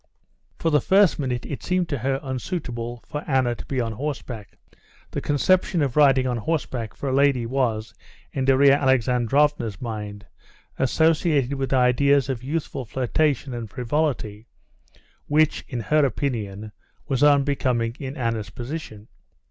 For the first minute it seemed to her unsuitable for Anna to be on horseback. The conception of riding on horseback for a lady was, in Darya Alexandrovna's mind, associated with ideas of youthful flirtation and frivolity, which, in her opinion, was unbecoming in Anna's position.